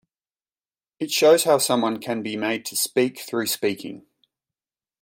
It shows how someone can be made to speak through speaking.